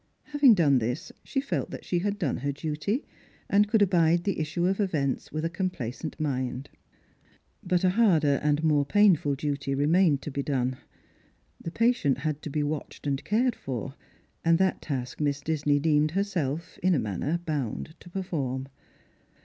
Having done this she felt that she had done her duty, and could abide the issue of events with a complacent mind. liut T, harder and more painful duty remained to be done; the patient had to be watched and cared for, and that task Miss Disney deemed herself, in a manner, bound to perform.